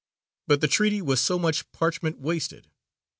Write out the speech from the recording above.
But the treaty was so much parchment wasted.